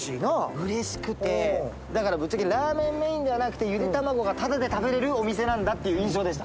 うれしくて、だからぶっちゃけラーメンメインではなくて、ゆで卵がただで食べれるお店なんだっていう印象でした。